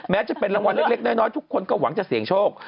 จะเป็นรางวัลเล็กน้อยทุกคนก็หวังจะเสี่ยงโชค